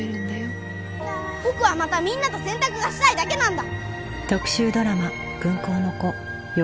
僕はまたみんなと洗濯がしたいだけなんだ！